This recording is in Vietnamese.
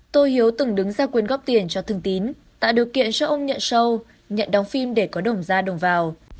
tôi hiếu từng đứng ra quyên góp tiền cho thường tín tạo điều kiện cho ông nhận sâu nhận đóng phim để có đồng ra đồng vào